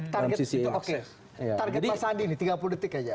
target mas sandi ini tiga puluh detik saja